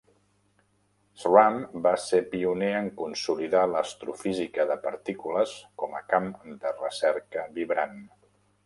Schramm va ser pioner en consolidar l'astrofísica de partícules com a camp de recerca vibrant.